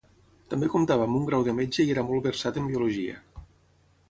També comptava amb un grau de metge i era molt versat en biologia.